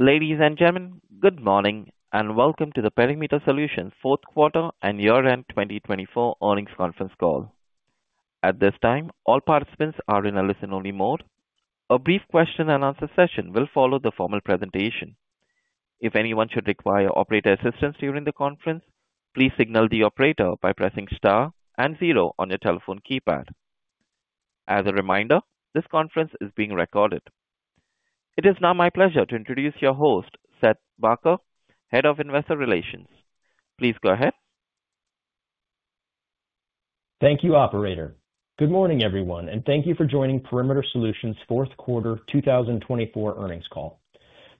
Ladies and gentlemen, good morning and welcome to the Perimeter Solutions Q4 and Year-End 2024 Earnings Conference Call. At this time, all participants are in a listen-only mode. A brief question-and-answer session will follow the formal presentation. If anyone should require operator assistance during the conference, please signal the operator by pressing Star and Zero on your telephone keypad. As a reminder, this conference is being recorded. It is now my pleasure to introduce your host, Seth Barker, Head of Investor Relations. Please go ahead. Thank you, Operator. Good morning, everyone, and thank you for joining Perimeter Solutions Q4 2024 earnings call.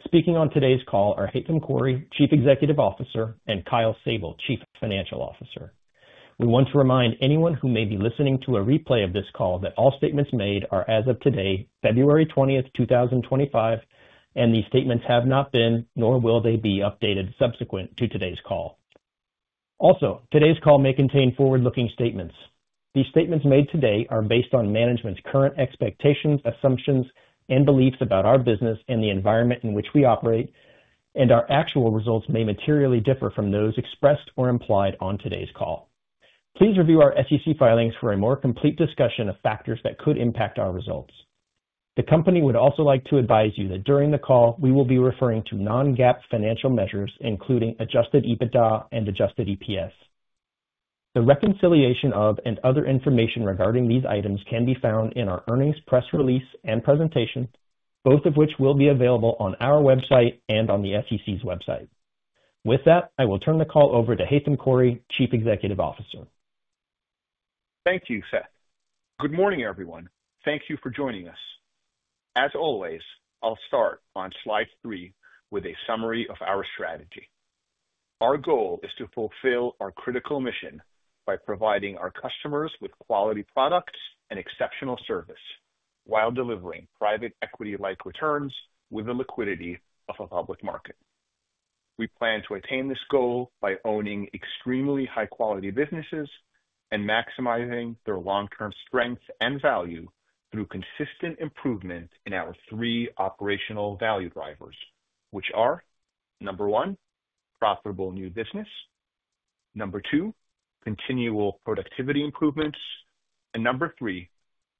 Speaking on today's call are Haitham Khouri, Chief Executive Officer, and Kyle Sable, Chief Financial Officer. We want to remind anyone who may be listening to a replay of this call that all statements made are, as of today, February 20, 2025, and these statements have not been, nor will they be, updated subsequent to today's call. Also, today's call may contain forward-looking statements. These statements made today are based on management's current expectations, assumptions, and beliefs about our business and the environment in which we operate, and our actual results may materially differ from those expressed or implied on today's call. Please review our SEC filings for a more complete discussion of factors that could impact our results. The company would also like to advise you that during the call, we will be referring to non-GAAP financial measures, including Adjusted EBITDA and Adjusted EPS. The reconciliation of and other information regarding these items can be found in our earnings press release and presentation, both of which will be available on our website and on the SEC's website. With that, I will turn the call over to Haitham Khouri, Chief Executive Officer. Thank you, Seth. Good morning, everyone. Thank you for joining us. As always, I'll start on slide three with a summary of our strategy. Our goal is to fulfill our critical mission by providing our customers with quality products and exceptional service while delivering private equity-like returns with the liquidity of a public market. We plan to attain this goal by owning extremely high-quality businesses and maximizing their long-term strength and value through consistent improvement in our three operational value drivers, which are: number one, profitable new business; number two, continual productivity improvements; and number three,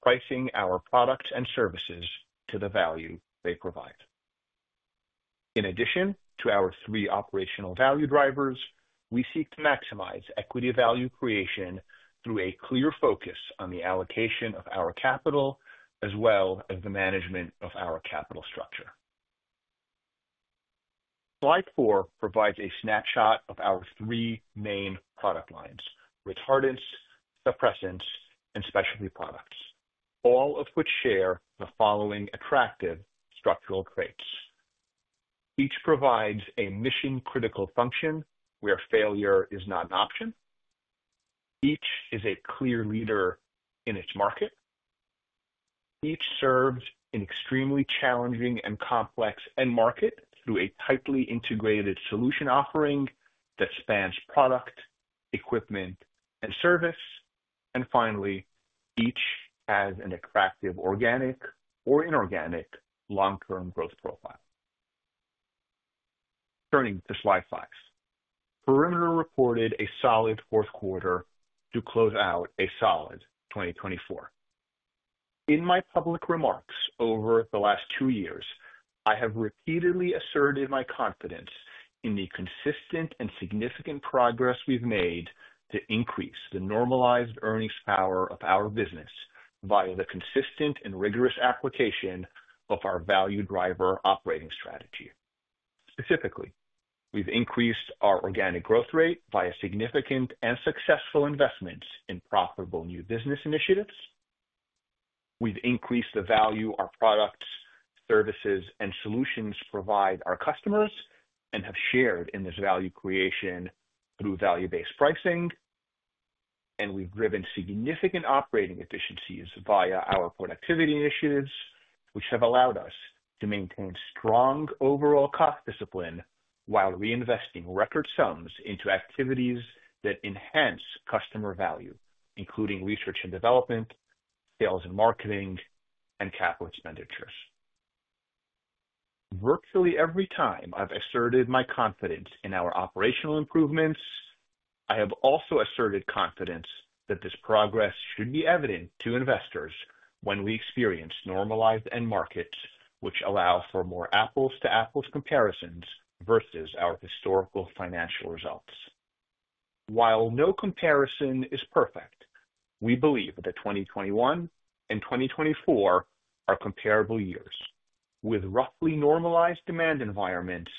pricing our products and services to the value they provide. In addition to our three operational value drivers, we seek to maximize equity value creation through a clear focus on the allocation of our capital as well as the management of our capital structure. Slide four provides a snapshot of our three main product lines: retardants, suppressants, and Specialty Products, all of which share the following attractive structural traits. Each provides a mission-critical function where failure is not an option. Each is a clear leader in its market. Each serves an extremely challenging and complex end market through a tightly integrated solution offering that spans product, equipment, and service. And finally, each has an attractive organic or inorganic long-term growth profile. Turning to slide five, Perimeter reported a solid Q4 to close out a solid 2024. In my public remarks over the last two years, I have repeatedly asserted my confidence in the consistent and significant progress we've made to increase the normalized earnings power of our business via the consistent and rigorous application of our value driver operating strategy. Specifically, we've increased our organic growth rate via significant and successful investments in profitable new business initiatives. We've increased the value our products, services, and solutions provide our customers and have shared in this value creation through value-based pricing. And we've driven significant operating efficiencies via our productivity initiatives, which have allowed us to maintain strong overall cost discipline while reinvesting record sums into activities that enhance customer value, including research and development, sales and marketing, and capital expenditures. Virtually every time I've asserted my confidence in our operational improvements, I have also asserted confidence that this progress should be evident to investors when we experience normalized end markets, which allow for more apples-to-apples comparisons versus our historical financial results. While no comparison is perfect, we believe that 2021 and 2024 are comparable years, with roughly normalized demand environments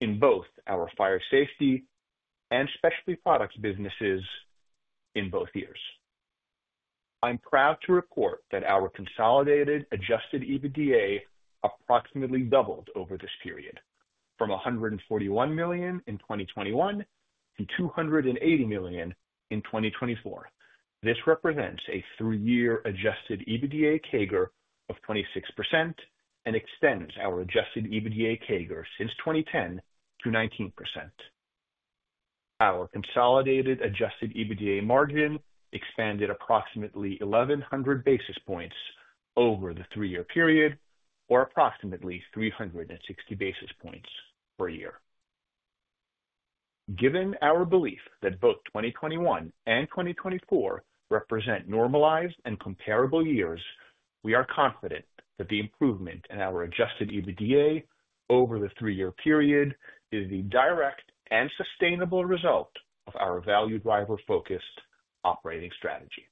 in both our Fire Safety and Specialty Products businesses in both years. I'm proud to report that our consolidated Adjusted EBITDA approximately doubled over this period, from $141 million in 2021 to $280 million in 2024. This represents a three-year Adjusted EBITDA CAGR of 26% and extends our Adjusted EBITDA CAGR since 2010 to 19%. Our consolidated Adjusted EBITDA margin expanded approximately 1,100 basis points over the three-year period, or approximately 360 basis points per year. Given our belief that both 2021 and 2024 represent normalized and comparable years, we are confident that the improvement in our Adjusted EBITDA over the three-year period is the direct and sustainable result of our value driver-focused operating strategy.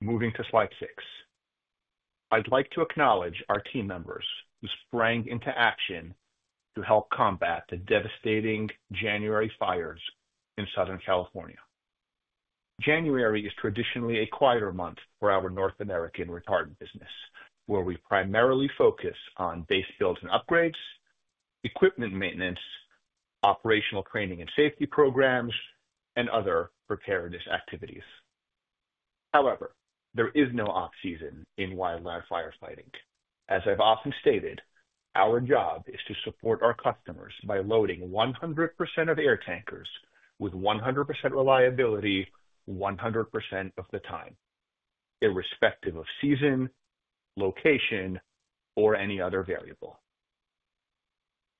Moving to slide six, I'd like to acknowledge our team members who sprang into action to help combat the devastating January fires in Southern California. January is traditionally a quieter month for our North American retardant business, where we primarily focus on base build and upgrades, equipment maintenance, operational training and safety programs, and other preparedness activities. However, there is no off-season in wildland firefighting. As I've often stated, our job is to support our customers by loading 100% of air tankers with 100% reliability 100% of the time, irrespective of season, location, or any other variable.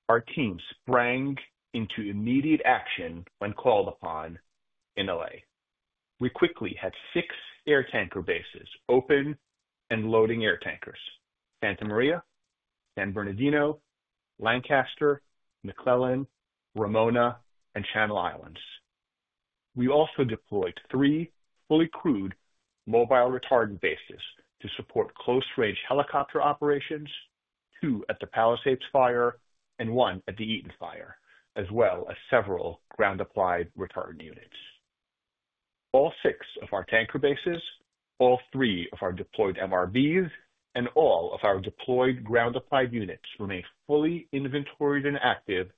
Our team sprang into immediate action when called upon in LA. We quickly had six air tanker bases open and loading air tankers: Santa Maria, San Bernardino, Lancaster, McClellan, Ramona, and Channel Islands. We also deployed three fully crewed mobile retardant bases to support close-range helicopter operations, two at the Palisades Fire and one at the Eaton Fire, as well as several ground-applied retardant units. All six of our tanker bases, all three of our deployed MRBs, and all of our deployed ground-applied units remain fully inventoried and active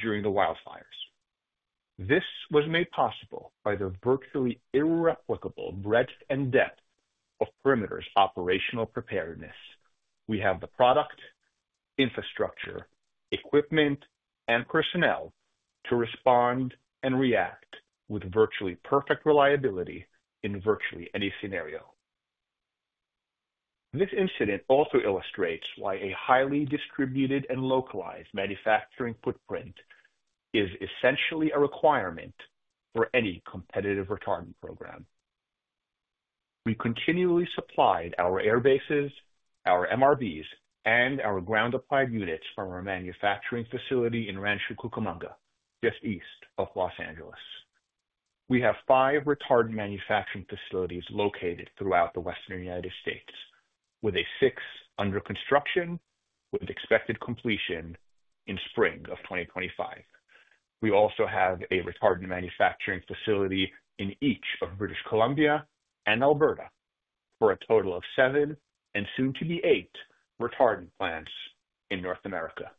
during the wildfires. This was made possible by the virtually irreplicable breadth and depth of Perimeter's operational preparedness. We have the product, infrastructure, equipment, and personnel to respond and react with virtually perfect reliability in virtually any scenario. This incident also illustrates why a highly distributed and localized manufacturing footprint is essentially a requirement for any competitive retardant program. We continually supplied our air bases, our MRBs, and our ground-applied units from our manufacturing facility in Rancho Cucamonga, just east of Los Angeles. We have five retardant manufacturing facilities located throughout the Western United States, with six under construction with expected completion in spring of 2025. We also have a retardant manufacturing facility in each of British Columbia and Alberta for a total of seven and soon to be eight retardant plants in North America.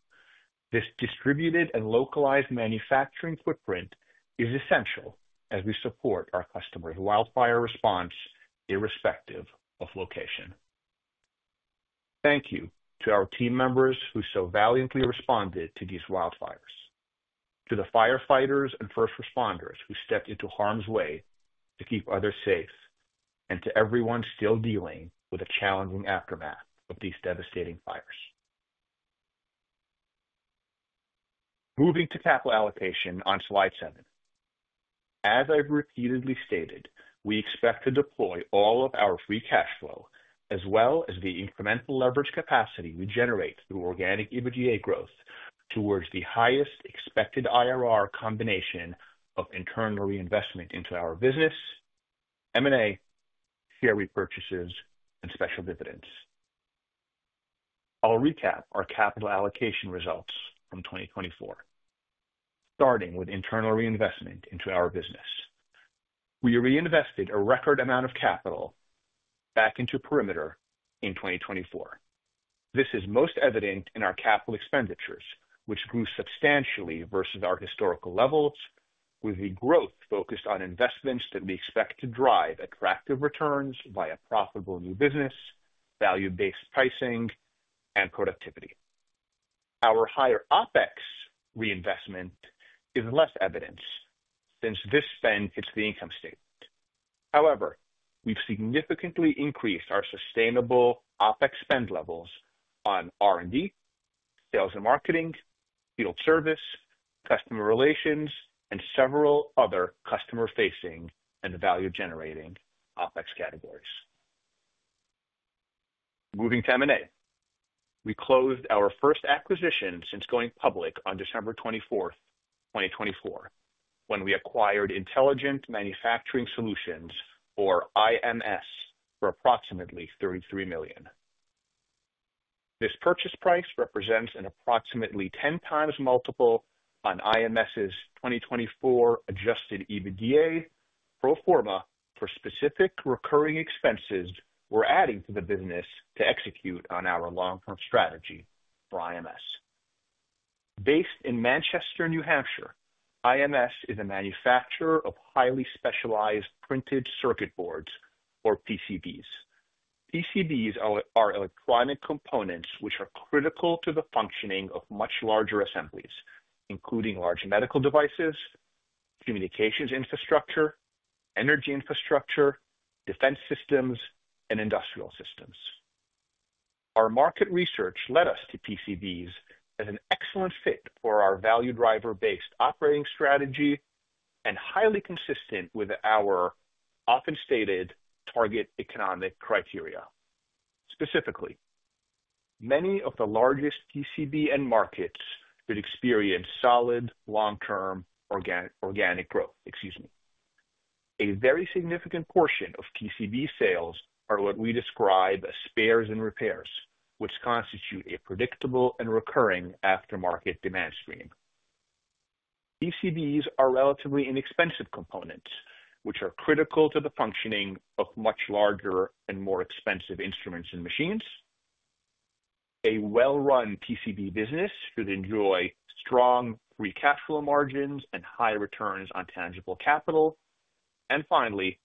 This distributed and localized manufacturing footprint is essential as we support our customers' wildfire response irrespective of location. Thank you to our team members who so valiantly responded to these wildfires, to the firefighters and first responders who stepped into harm's way to keep others safe, and to everyone still dealing with the challenging aftermath of these devastating fires. Moving to capital allocation on slide seven. As I've repeatedly stated, we expect to deploy all of our free cash flow as well as the incremental leverage capacity we generate through organic EBITDA growth towards the highest expected IRR combination of internal reinvestment into our business, M&A, share repurchases, and special dividends. I'll recap our capital allocation results from 2024, starting with internal reinvestment into our business. We reinvested a record amount of capital back into Perimeter in 2024. This is most evident in our capital expenditures, which grew substantially versus our historical levels, with the growth focused on investments that we expect to drive attractive returns via profitable new business, value-based pricing, and productivity. Our higher OpEx reinvestment is less evident since this spend hits the income statement. However, we've significantly increased our sustainable OpEx spend levels on R&D, sales and marketing, field service, customer relations, and several other customer-facing and value-generating OpEx categories. Moving to M&A. We closed our first acquisition since going public on December 24, 2024, when we acquired Intelligent Manufacturing Solutions, or IMS, for approximately $33 million. This purchase price represents an approximately 10 times multiple on IMS's 2024 Adjusted EBITDA pro forma for specific recurring expenses we're adding to the business to execute on our long-term strategy for IMS. Based in Manchester, New Hampshire, IMS is a manufacturer of highly specialized printed circuit boards, or PCBs. PCBs are electronic components which are critical to the functioning of much larger assemblies, including large medical devices, communications infrastructure, energy infrastructure, defense systems, and industrial systems. Our market research led us to PCBs as an excellent fit for our value driver-based operating strategy and highly consistent with our often-stated target economic criteria. Specifically, many of the largest PCB end markets could experience solid long-term organic growth. Excuse me. A very significant portion of PCB sales are what we describe as spares and repairs, which constitute a predictable and recurring aftermarket demand stream. PCBs are relatively inexpensive components, which are critical to the functioning of much larger and more expensive instruments and machines. A well-run PCB business could enjoy strong free cash flow margins and high returns on tangible capital. And finally,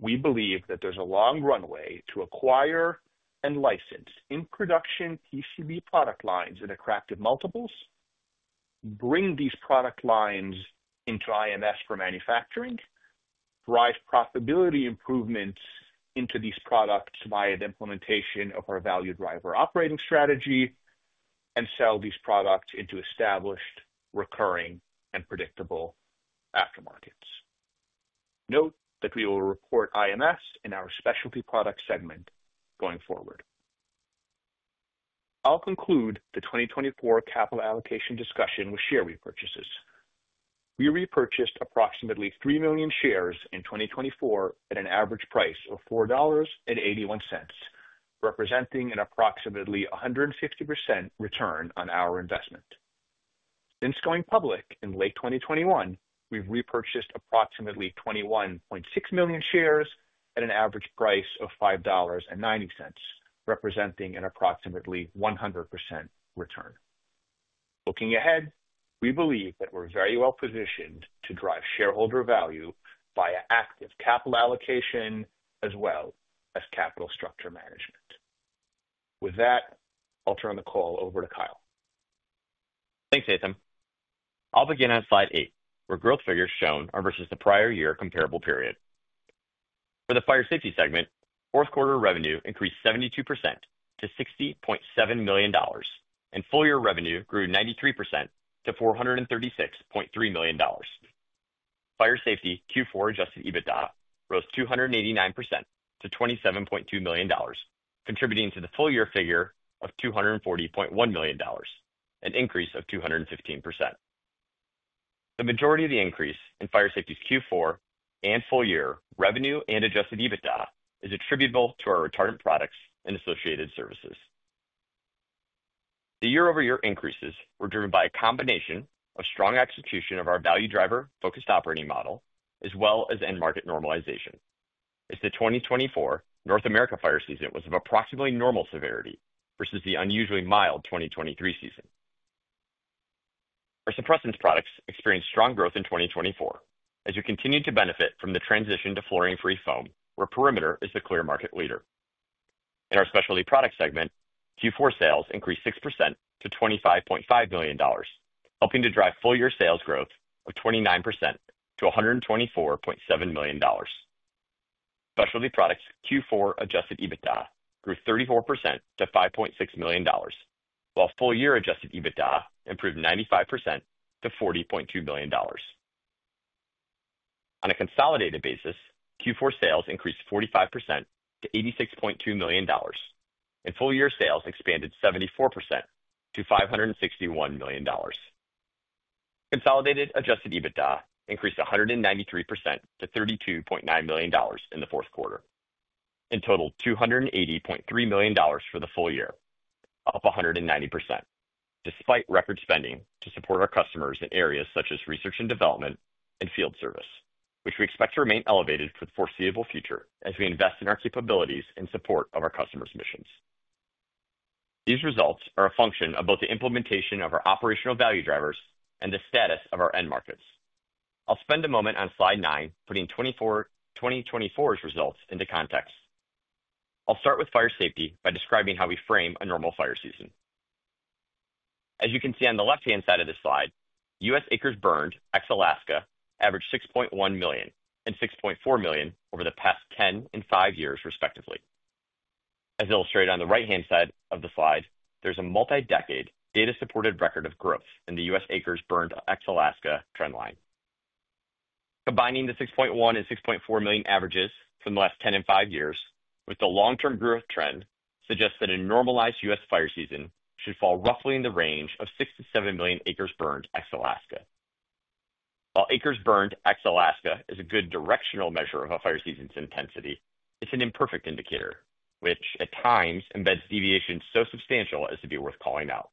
we believe that there's a long runway to acquire and license in production PCB product lines at attractive multiples. Bring these product lines into IMS for manufacturing, drive profitability improvements into these products via the implementation of our value driver operating strategy, and sell these products into established, recurring, and predictable aftermarkets. Note that we will report IMS in our Specialty Products segment going forward. I'll conclude the 2024 capital allocation discussion with share repurchases. We repurchased approximately 3 million shares in 2024 at an average price of $4.81, representing an approximately 150% return on our investment. Since going public in late 2021, we've repurchased approximately 21.6 million shares at an average price of $5.90, representing an approximately 100% return. Looking ahead, we believe that we're very well positioned to drive shareholder value via active capital allocation as well as capital structure management. With that, I'll turn the call over to Kyle. Thanks, Haitham. I'll begin on slide eight, where growth figures shown are versus the prior year comparable period. For the Fire Safety segment, Q4 revenue increased 72% to $60.7 million, and full year revenue grew 93% to $436.3 million. Fire Safety Q4 Adjusted EBITDA rose 289% to $27.2 million, contributing to the full year figure of $240.1 million, an increase of 215%. The majority of the increase in Fire Safety's Q4 and full year revenue and Adjusted EBITDA is attributable to our retardant products and associated services. The year-over-year increases were driven by a combination of strong execution of our value driver-focused operating model as well as end market normalization. If the 2024 North America fire season was of approximately normal severity versus the unusually mild 2023 season, our suppressants products experienced strong growth in 2024 as we continued to benefit from the transition to fluorine-free foam, where Perimeter is the clear market leader. In our Specialty Product segment, Q4 sales increased 6% to $25.5 million, helping to drive full year sales growth of 29% to $124.7 million. Specialty Products Q4 Adjusted EBITDA grew 34% to $5.6 million, while full year Adjusted EBITDA improved 95% to $40.2 million. On a consolidated basis, Q4 sales increased 45% to $86.2 million, and full year sales expanded 74% to $561 million. Consolidated Adjusted EBITDA increased 193% to $32.9 million in the Q4, and totaled $280.3 million for the full year, up 190%, despite record spending to support our customers in areas such as research and development and field service, which we expect to remain elevated for the foreseeable future as we invest in our capabilities in support of our customers' missions. These results are a function of both the implementation of our operational value drivers and the status of our end markets. I'll spend a moment on slide nine, putting 2024's results into context. I'll start with Fire Safety by describing how we frame a normal fire season. As you can see on the left-hand side of this slide, U.S. acres burned ex-Alaska averaged 6.1 million and 6.4 million over the past 10 and 5 years, respectively. As illustrated on the right-hand side of the slide, there's a multi-decade data-supported record of growth in the U.S. acres burned ex-Alaska trendline. Combining the 6.1 and 6.4 million averages from the last 10 and 5 years with the long-term growth trend suggests that a normalized U.S. fire season should fall roughly in the range of 6 to 7 million acres burned ex-Alaska. While acres burned ex-Alaska is a good directional measure of a fire season's intensity, it's an imperfect indicator, which at times embeds deviations so substantial as to be worth calling out.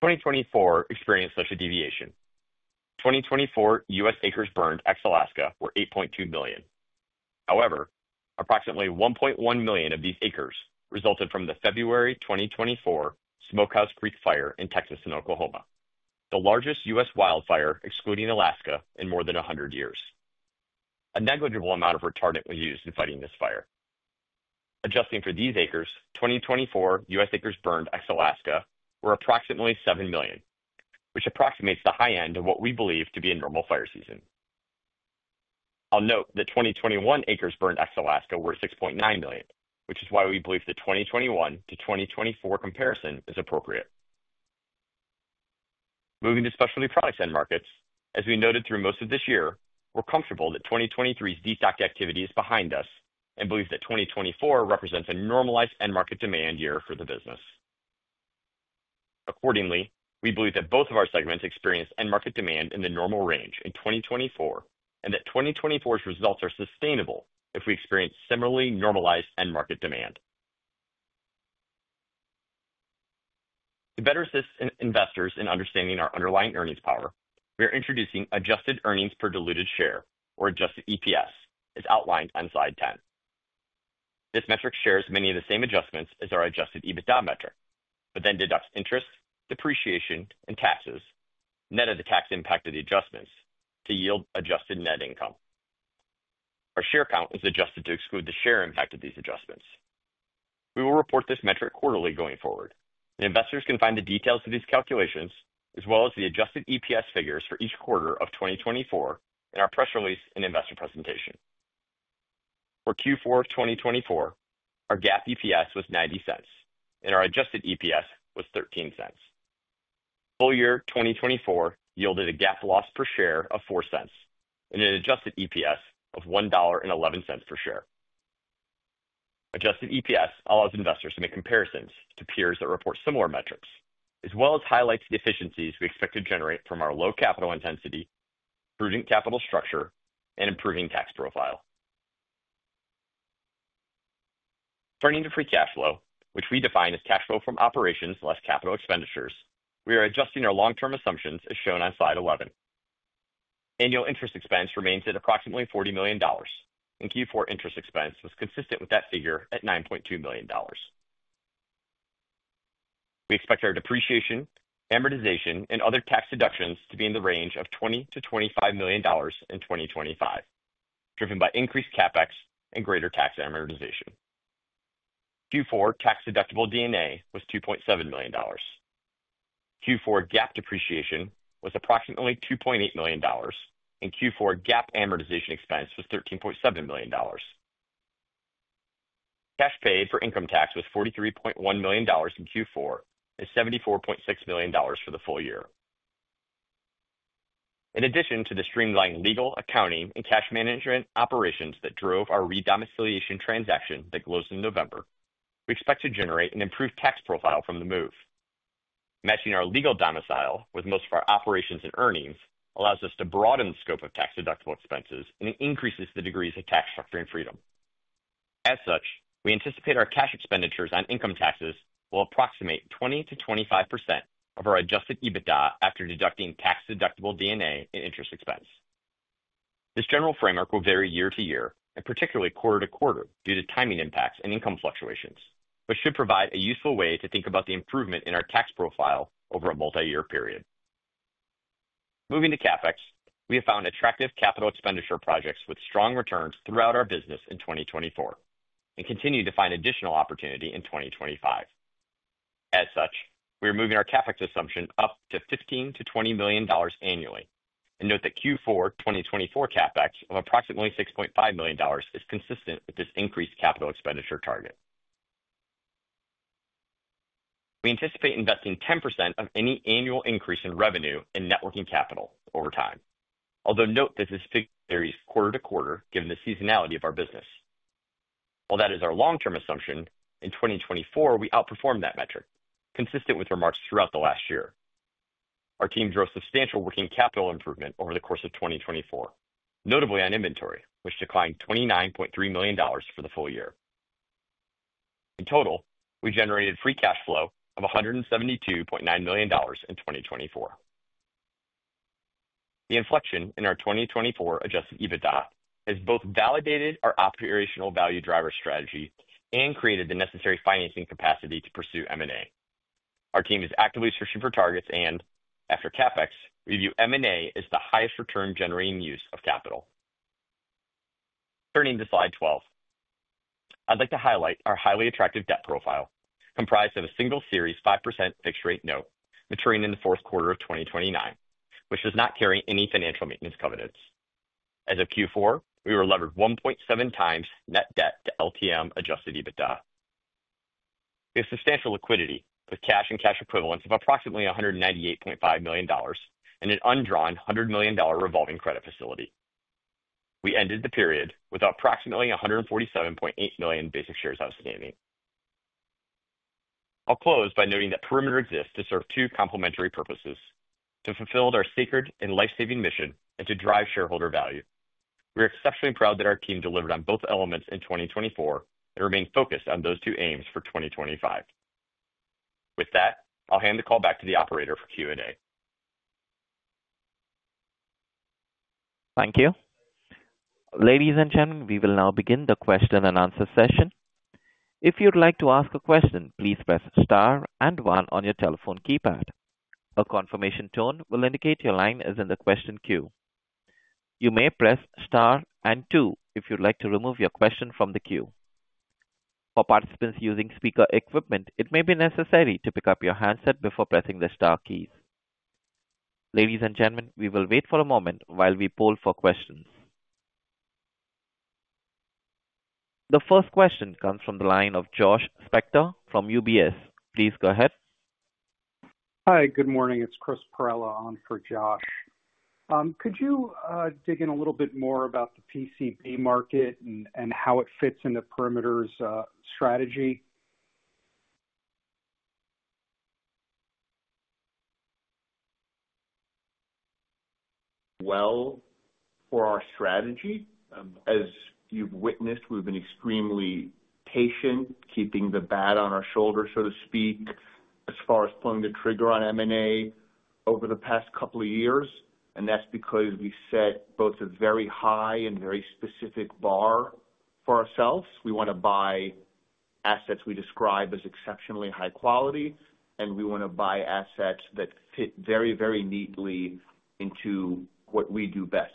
2024 experienced such a deviation. 2024 U.S. acres burned ex-Alaska were 8.2 million. However, approximately 1.1 million of these acres resulted from the February 2024 Smokehouse Creek Fire in Texas and Oklahoma, the largest U.S. Wildfire excluding Alaska in more than 100 years. A negligible amount of retardant was used in fighting this fire. Adjusting for these acres, 2024 U.S. acres burned ex-Alaska were approximately 7 million, which approximates the high end of what we believe to be a normal fire season. I'll note that 2021 acres burned ex-Alaska were 6.9 million, which is why we believe the 2021 to 2024 comparison is appropriate. Moving to Specialty Products end markets, as we noted through most of this year, we're comfortable that 2023's destock activity is behind us and believe that 2024 represents a normalized end market demand year for the business. Accordingly, we believe that both of our segments experienced end market demand in the normal range in 2024 and that 2024's results are sustainable if we experience similarly normalized end market demand. To better assist investors in understanding our underlying earnings power, we are introducing Adjusted earnings per diluted share, or Adjusted EPS, as outlined on slide 10. This metric shares many of the same adjustments as our Adjusted EBITDA metric, but then deducts interest, depreciation, and taxes, net of the tax impact of the adjustments, to yield Adjusted net income. Our share count is adjusted to exclude the share impact of these adjustments. We will report this metric quarterly going forward, and investors can find the details of these calculations as well as the Adjusted EPS figures for each quarter of 2024 in our press release and investor presentation. For Q4 2024, our GAAP EPS was $0.90, and our Adjusted EPS was $0.13. Full year 2024 yielded a GAAP loss per share of $0.04 and an Adjusted EPS of $1.11 per share. Adjusted EPS allows investors to make comparisons to peers that report similar metrics, as well as highlights the efficiencies we expect to generate from our low capital intensity, prudent capital structure, and improving tax profile. Turning to free cash flow, which we define as cash flow from operations less capital expenditures, we are adjusting our long-term assumptions as shown on slide 11. Annual interest expense remains at approximately $40 million, and Q4 interest expense was consistent with that figure at $9.2 million. We expect our depreciation, amortization, and other tax deductions to be in the range of $20-$25 million in 2025, driven by increased CapEx and greater tax amortization. Q4 tax-deductible D&A was $2.7 million. Q4 GAAP depreciation was approximately $2.8 million, and Q4 GAAP amortization expense was $13.7 million. Cash paid for income tax was $43.1 million in Q4 and $74.6 million for the full year. In addition to the streamlined legal, accounting, and cash management operations that drove our redomiciliation transaction that closed in November, we expect to generate an improved tax profile from the move. Matching our legal domicile with most of our operations and earnings allows us to broaden the scope of tax-deductible expenses and increases the degrees of tax structure and freedom. As such, we anticipate our cash expenditures on income taxes will approximate 20%-25% of our Adjusted EBITDA after deducting tax-deductible D&A and interest expense. This general framework will vary year to year and particularly quarter-to-quarter due to timing impacts and income fluctuations, but should provide a useful way to think about the improvement in our tax profile over a multi-year period. Moving to CapEx, we have found attractive capital expenditure projects with strong returns throughout our business in 2024 and continue to find additional opportunity in 2025. As such, we are moving our CapEx assumption up to $15-$20 million annually, and note that Q4 2024 CapEx of approximately $6.5 million is consistent with this increased capital expenditure target. We anticipate investing 10% of any annual increase in revenue in net working capital over time, although note that this figure varies quarter-to-quarter given the seasonality of our business. While that is our long-term assumption, in 2024 we outperformed that metric, consistent with remarks throughout the last year. Our team drove substantial working capital improvement over the course of 2024, notably on inventory, which declined $29.3 million for the full year. In total, we generated free cash flow of $172.9 million in 2024. The inflection in our 2024 Adjusted EBITDA has both validated our operational value driver strategy and created the necessary financing capacity to pursue M&A. Our team is actively searching for targets and, after CapEx, we view M&A as the highest return-generating use of capital. Turning to slide 12, I'd like to highlight our highly attractive debt profile, comprised of a single senior 5% fixed-rate note maturing in the Q4 of 2029, which does not carry any financial maintenance covenants. As of Q4, we were levered 1.7 times net debt to LTM Adjusted EBITDA. We have substantial liquidity with cash and cash equivalents of approximately $198.5 million and an undrawn $100 million revolving credit facility. We ended the period with approximately $147.8 million basic shares outstanding. I'll close by noting that Perimeter exists to serve two complementary purposes: to fulfill our sacred and life-saving mission and to drive shareholder value. We are exceptionally proud that our team delivered on both elements in 2024 and remained focused on those two aims for 2025. With that, I'll hand the call back to the operator for Q&A. Thank you. Ladies and gentlemen, we will now begin the question and answer session. If you'd like to ask a question, please press Star and one on your telephone keypad. A confirmation tone will indicate your line is in the question queue. You may press Star and two if you'd like to remove your question from the queue. For participants using speaker equipment, it may be necessary to pick up your handset before pressing the star keys. Ladies and gentlemen, we will wait for a moment while we poll for questions. The first question comes from the line of Josh Spector from UBS. Please go ahead. Hi, good morning. It's Chris Perrella on for Josh. Could you dig in a little bit more about the PCB market and how it fits into Perimeter's strategy? For our strategy, as you've witnessed, we've been extremely patient, keeping the bat on our shoulder, so to speak, as far as pulling the trigger on M&A over the past couple of years. That's because we set both a very high and very specific bar for ourselves. We want to buy assets we describe as exceptionally high quality, and we want to buy assets that fit very, very neatly into what we do best,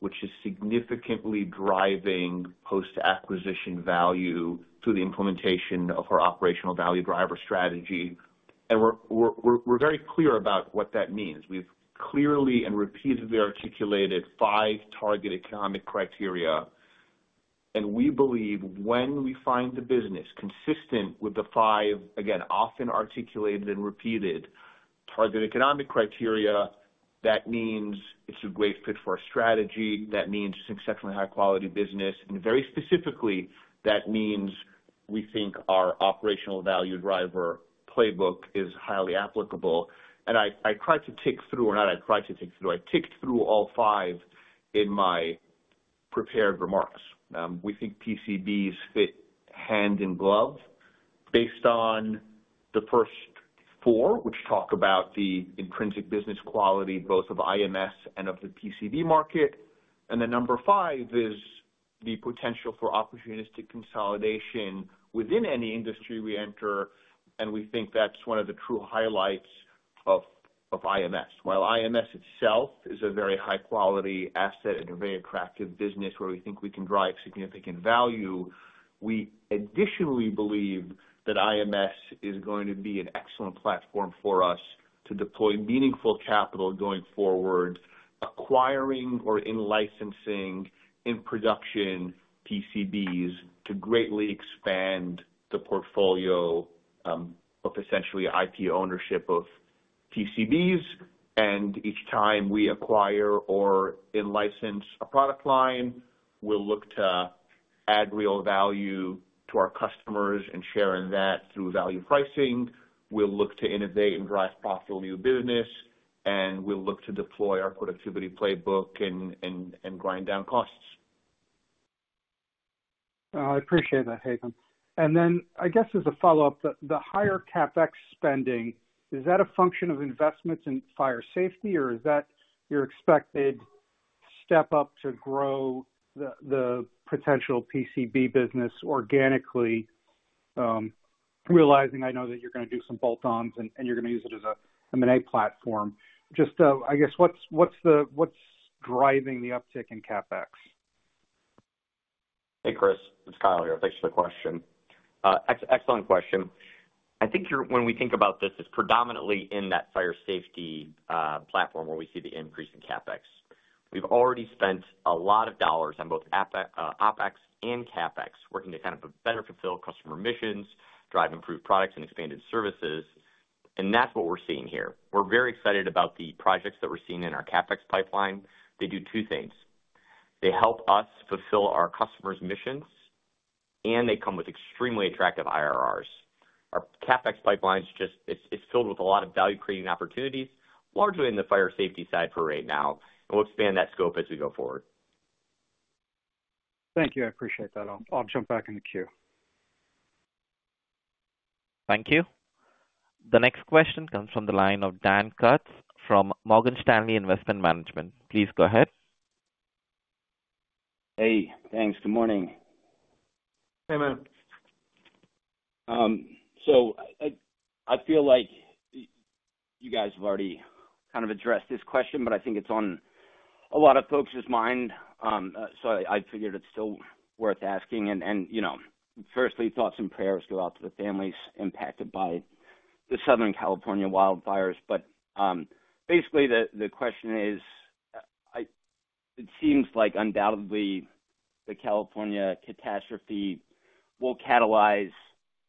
which is significantly driving post-acquisition value through the implementation of our operational value driver strategy. We're very clear about what that means. We've clearly and repeatedly articulated five target economic criteria, and we believe when we find the business consistent with the five, again, often articulated and repeated target economic criteria, that means it's a great fit for our strategy. That means it's an exceptionally high-quality business, and very specifically, that means we think our operational value driver playbook is highly applicable, and I ticked through all five in my prepared remarks. We think PCBs fit hand in glove based on the first four, which talk about the intrinsic business quality both of IMS and of the PCB market, and the number five is the potential for opportunistic consolidation within any industry we enter, and we think that's one of the true highlights of IMS. While IMS itself is a very high-quality asset and a very attractive business where we think we can drive significant value, we additionally believe that IMS is going to be an excellent platform for us to deploy meaningful capital going forward, acquiring or in-licensing in production PCBs to greatly expand the portfolio of essentially IP ownership of PCBs, and each time we acquire or in-license a product line, we'll look to add real value to our customers and share in that through value pricing. We'll look to innovate and drive profitable new business, and we'll look to deploy our productivity playbook and grind down costs. I appreciate that, Haitham. And then I guess as a follow-up, the higher CapEx spending, is that a function of investments in Fire Safety, or is that your expected step up to grow the potential PCB business organically, realizing I know that you're going to do some bolt-ons and you're going to use it as an M&A platform? Just, I guess, what's driving the uptick in CapEx? Hey, Chris, it's Kyle here. Thanks for the question. Excellent question. I think when we think about this, it's predominantly in that Fire Safety platform where we see the increase in CapEx. We've already spent a lot of dollars on both OpEx and CapEx working to kind of better fulfill customer missions, drive improved products, and expanded services. And that's what we're seeing here. We're very excited about the projects that we're seeing in our CapEx pipeline. They do two things. They help us fulfill our customers' missions, and they come with extremely attractive IRRs. Our CapEx pipeline is filled with a lot of value-creating opportunities, largely in the Fire Safety side for right now, and we'll expand that scope as we go forward. Thank you. I appreciate that. I'll jump back in the queue. Thank you. The next question comes from the line of Dan Kurz from Morgan Stanley Investment Management. Please go ahead. Hey, thanks. Good morning. Hey, man. So I feel like you guys have already kind of addressed this question, but I think it's on a lot of folks' minds. So I figured it's still worth asking. And firstly, thoughts and prayers go out to the families impacted by the Southern California wildfires. But basically, the question is, it seems like undoubtedly the California catastrophe will catalyze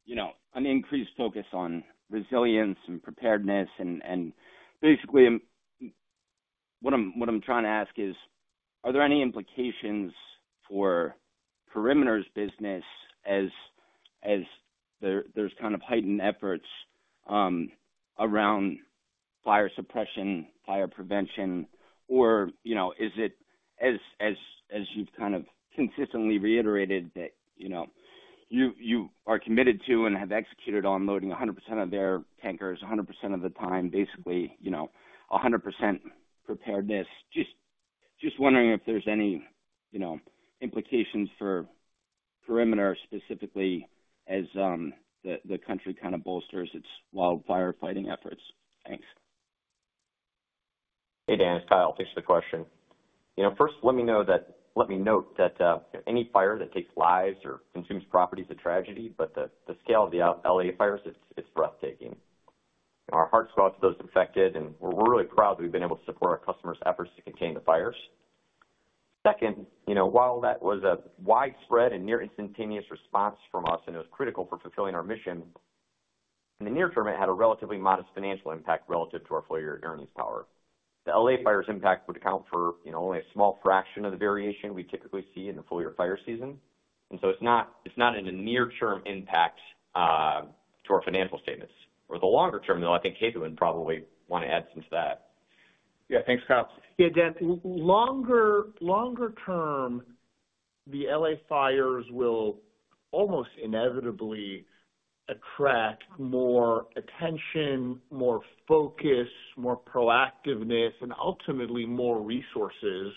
an increased focus on resilience and preparedness. And basically, what I'm trying to ask is, are there any implications for Perimeter's business as there's kind of heightened efforts around fire suppression, fire prevention? Or is it, as you've kind of consistently reiterated, that you are committed to and have executed on loading 100% of their tankers 100% of the time, basically 100% preparedness? Just wondering if there's any implications for Perimeter specifically as the country kind of bolsters its wildfire fighting efforts. Thanks. Hey, Dan. It's Kyle. Thanks for the question. First, let me note that any fire that takes lives or consumes property is a tragedy, but the scale of the LA fires, it's breathtaking. Our hearts go out to those affected, and we're really proud that we've been able to support our customers' efforts to contain the fires. Second, while that was a widespread and near instantaneous response from us and it was critical for fulfilling our mission, in the near term, it had a relatively modest financial impact relative to our full-year earnings power. The LA fires impact would account for only a small fraction of the variation we typically see in the full-year fire season. And so it's not a near-term impact to our financial statements. Over the longer term, though, I think Haitham would probably want to add some to that. Yeah, thanks, Kyle. Yeah, Dan, longer term, the LA fires will almost inevitably attract more attention, more focus, more proactiveness, and ultimately more resources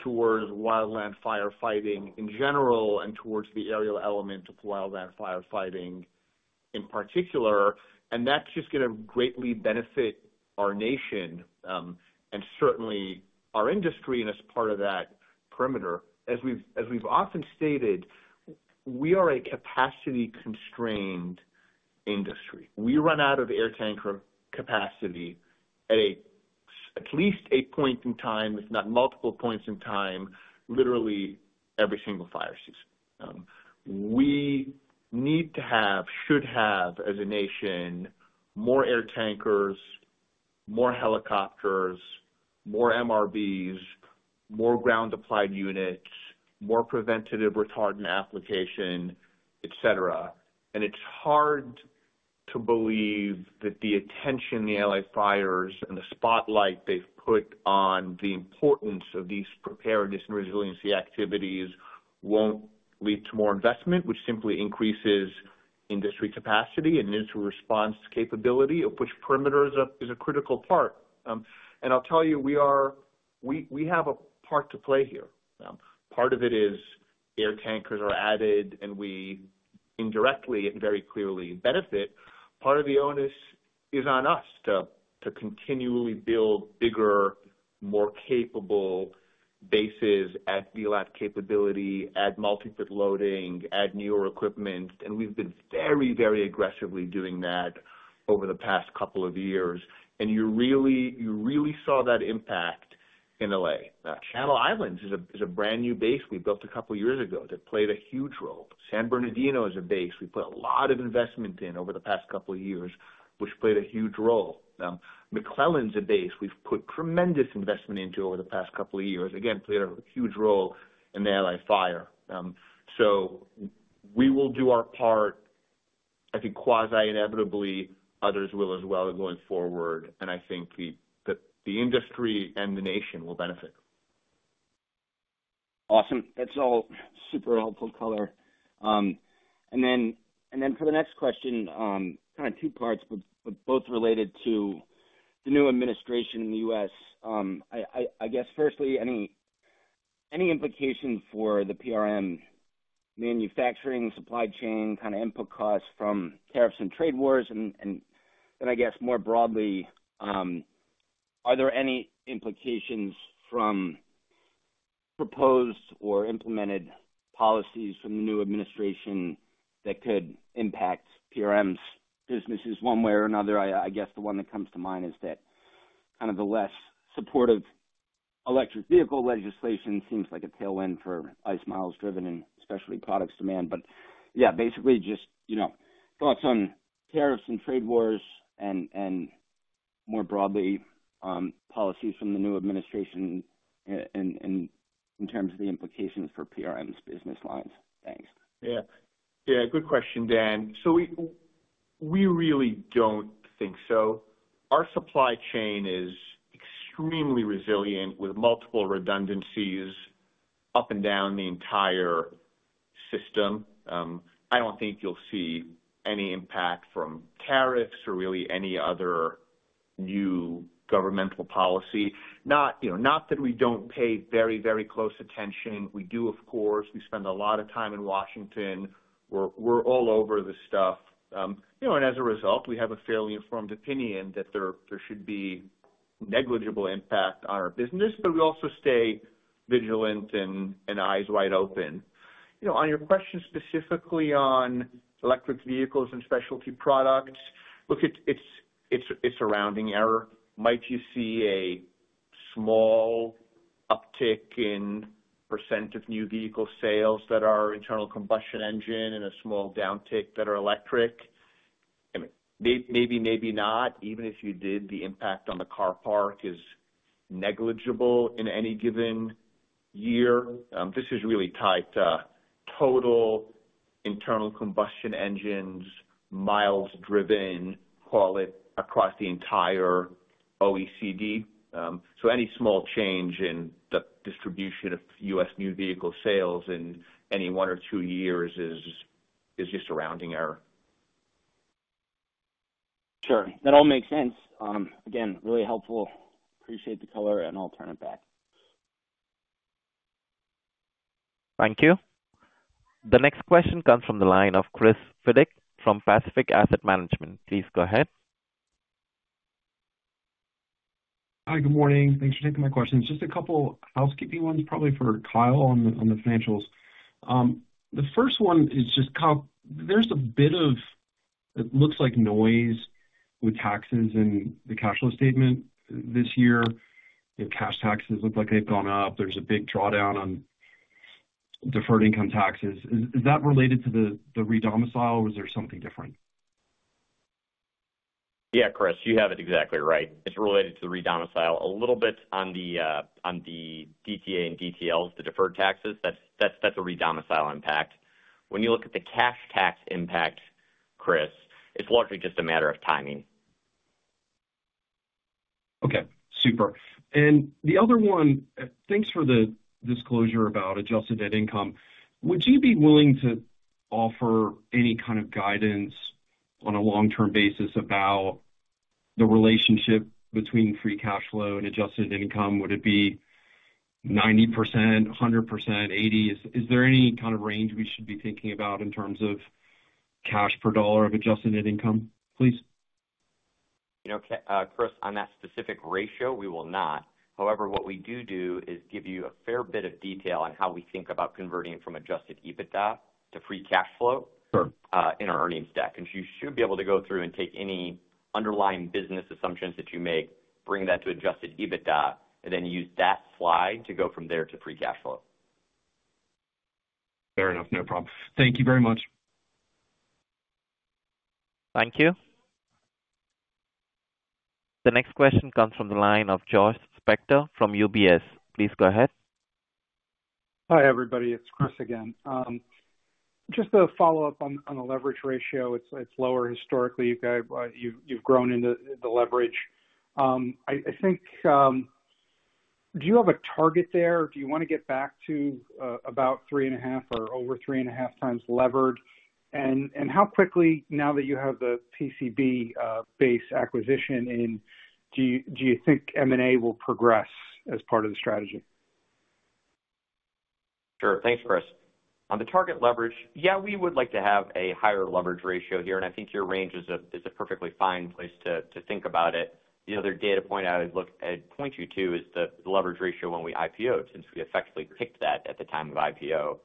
towards wildland firefighting in general and towards the aerial element of wildland firefighting in particular. And that's just going to greatly benefit our nation and certainly our industry and as part of that Perimeter. As we've often stated, we are a capacity-constrained industry. We run out of air tanker capacity at least eight points in time, if not multiple points in time, literally every single fire season. We need to have, should have as a nation, more air tankers, more helicopters, more MRBs, more ground-applied units, more preventative retardant application, etc. And it's hard to believe that the attention the LA fires and the spotlight they've put on the importance of these preparedness and resiliency activities won't lead to more investment, which simply increases industry capacity and industry response capability, of which Perimeter is a critical part. And I'll tell you, we have a part to play here. Part of it is air tankers are added and we indirectly and very clearly benefit. Part of the onus is on us to continually build bigger, more capable bases, add VLAT capability, add multi-pit loading, add newer equipment. And we've been very, very aggressively doing that over the past couple of years. And you really saw that impact in LA. Channel Islands is a brand new base we built a couple of years ago that played a huge role. San Bernardino is a base we put a lot of investment in over the past couple of years, which played a huge role. McClellan's a base we've put tremendous investment into over the past couple of years. Again, played a huge role in the LA fire. So we will do our part. I think quasi-inevitably, others will as well going forward. And I think the industry and the nation will benefit. Awesome. That's all super helpful color. Then for the next question, kind of two parts, but both related to the new administration in the U.S. I guess firstly, any implications for the Perimeter manufacturing, supply chain, kind of input costs from tariffs and trade wars? And then I guess more broadly, are there any implications from proposed or implemented policies from the new administration that could impact Perimeter's businesses one way or another? I guess the one that comes to mind is that kind of the less supportive electric vehicle legislation seems like a tailwind for ICE miles driven and Specialty Products demand. But yeah, basically just thoughts on tariffs and trade wars and more broadly policies from the new administration in terms of the implications for Perimeter's business lines. Thanks. Yeah. Yeah, good question, Dan. So we really don't think so. Our supply chain is extremely resilient with multiple redundancies up and down the entire system. I don't think you'll see any impact from tariffs or really any other new governmental policy. Not that we don't pay very, very close attention. We do, of course. We spend a lot of time in Washington. We're all over the stuff. And as a result, we have a fairly informed opinion that there should be negligible impact on our business, but we also stay vigilant and eyes wide open. On your question specifically on electric vehicles and Specialty Products, look at it as a rounding error. Might you see a small uptick in percent of new vehicle sales that are internal combustion engine and a small downtick that are electric? Maybe, maybe not. Even if you did, the impact on the car park is negligible in any given year. This is really tied to total internal combustion engines miles driven, call it, across the entire OECD. So any small change in the distribution of U.S. new vehicle sales in any one or two years is just sampling error. Sure. That all makes sense. Again, really helpful. Appreciate the color, and I'll turn it back. Thank you. The next question comes from the line of Chris Fiddick from Pacific Asset Management. Please go ahead. Hi, good morning. Thanks for taking my questions. Just a couple housekeeping ones, probably for Kyle on the financials. The first one is just, Kyle, there's a bit of, it looks like noise with taxes and the cash flow statement this year. Cash taxes look like they've gone up. There's a big drawdown on deferred income taxes. Is that related to the re-domicile? Is there something different? Yeah, Chris, you have it exactly right. It's related to the re-domicile. A little bit on the DTA and DTLs, the deferred taxes, that's a re-domicile impact. When you look at the cash tax impact, Chris, it's largely just a matter of timing. Okay. Super. And the other one, thanks for the disclosure about adjusted net income. Would you be willing to offer any kind of guidance on a long-term basis about the relationship between free cash flow and adjusted net income? Would it be 90%, 100%, 80? Is there any kind of range we should be thinking about in terms of cash per dollar of adjusted net income, please? Chris, on that specific ratio, we will not. However, what we do do is give you a fair bit of detail on how we think about converting from Adjusted EBITDA to free cash flow in our earnings stack. You should be able to go through and take any underlying business assumptions that you make, bring that to Adjusted EBITDA, and then use that slide to go from there to free cash flow. Fair enough. No problem. Thank you very much. Thank you. The next question comes from the line of Josh Spector from UBS. Please go ahead. Hi, everybody. It's Chris again. Just to follow up on the leverage ratio, it's lower historically. You've grown into the leverage. I think, do you have a target there? Do you want to get back to about three and a half or over three and a half times levered? And how quickly, now that you have the PCB business acquisition in, do you think M&A will progress as part of the strategy? Sure. Thanks, Chris. On the target leverage, yeah, we would like to have a higher leverage ratio here. And I think your range is a perfectly fine place to think about it. The other data point I'd point you to is the leverage ratio when we IPOed, since we effectively picked that at the time of IPO.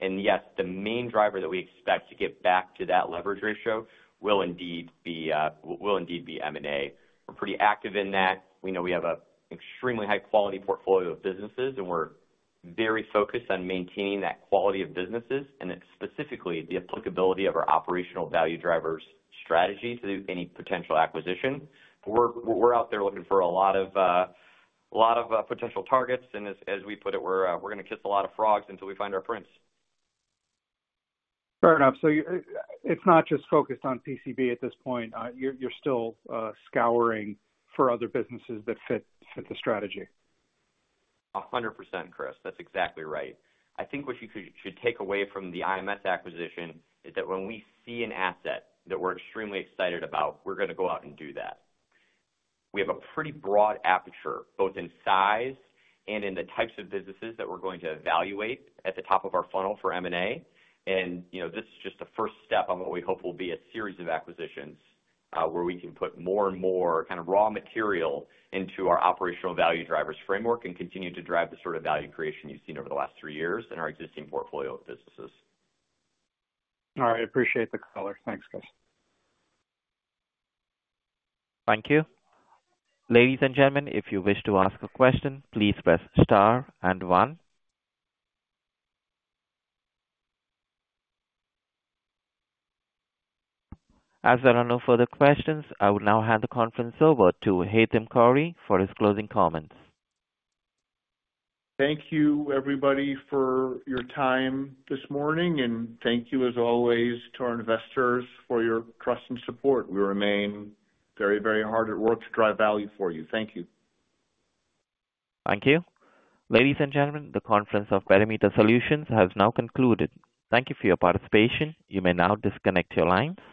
And yes, the main driver that we expect to get back to that leverage ratio will indeed be M&A. We're pretty active in that. We know we have an extremely high-quality portfolio of businesses, and we're very focused on maintaining that quality of businesses and specifically the applicability of our operational value drivers strategy to any potential acquisition. We're out there looking for a lot of potential targets. And as we put it, we're going to kiss a lot of frogs until we find our prince. Fair enough. So it's not just focused on PCB at this point. You're still scouring for other businesses that fit the strategy. 100%, Chris. That's exactly right. I think what you should take away from the IMS acquisition is that when we see an asset that we're extremely excited about, we're going to go out and do that. We have a pretty broad aperture, both in size and in the types of businesses that we're going to evaluate at the top of our funnel for M&A. And this is just the first step on what we hope will be a series of acquisitions where we can put more and more kind of raw material into our operational value drivers framework and continue to drive the sort of value creation you've seen over the last three years in our existing portfolio of businesses. All right. Appreciate the color. Thanks, Chris. Thank you. Ladies and gentlemen, if you wish to ask a question, please press Star and one. As there are no further questions, I will now hand the conference over to Haitham Khouri for his closing comments. Thank you, everybody, for your time this morning. And thank you, as always, to our investors for your trust and support. We remain very, very hard at work to drive value for you. Thank you. Thank you. Ladies and gentlemen, the conference of Perimeter Solutions has now concluded. Thank you for your participation. You may now disconnect your line.